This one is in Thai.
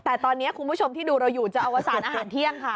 แต่ตอนนี้คุณผู้ชมที่ดูเราอยู่จะอวสารอาหารเที่ยงค่ะ